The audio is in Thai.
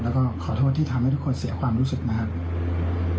แล้วก็ขอโทษที่ทำให้ทุกคนเสียความรู้สึกนะครับ